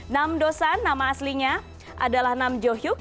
nam dosan nama aslinya adalah nam jo hyuk